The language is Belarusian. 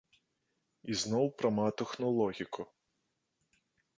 І зноў пра матухну логіку.